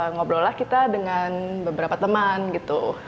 ngobrol lah kita dengan beberapa teman gitu